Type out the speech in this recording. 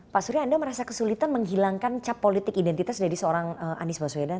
pak surya anda merasa kesulitan menghilangkan cap politik identitas dari seorang anies baswedan